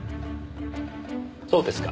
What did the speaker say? そうですか。